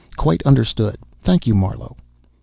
"Quite understood, thank you, Marlowe."